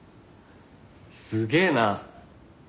すげえな。